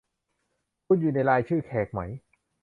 คุณอยู่ในรายชื่อแขกไหม